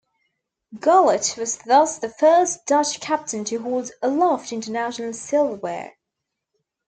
Gullit was thus the first Dutch captain to hold aloft international silverware.